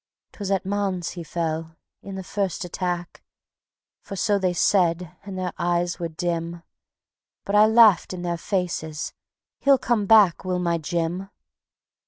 'Twas at Mons he fell, in the first attack; For so they said, and their eyes were dim; But I laughed in their faces: "He'll come back, Will my Jim."